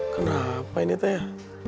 kenapa ini teh